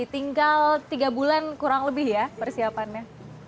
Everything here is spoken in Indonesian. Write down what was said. tinggal tiga bulan kurang lebih ya persiapannya